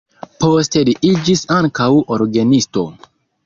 Poste li iĝis ankaŭ orgenisto.